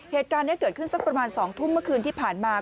เหตุการณ์นี้เกิดขึ้นสักประมาณ๒ทุ่มเมื่อคืนที่ผ่านมา